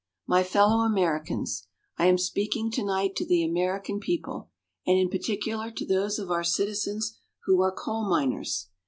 My Fellow Americans: I am speaking tonight to the American people, and in particular to those of our citizens who are coal miners.